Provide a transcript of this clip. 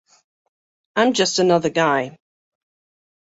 I'm just another guy.